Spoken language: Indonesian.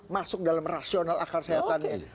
masuk dalam rasional akar sehatan